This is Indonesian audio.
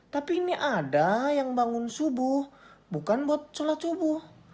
tapi ini ada yang bangun subuh bukan buat sholat subuh